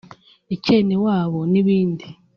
icyenewabo n’ibindi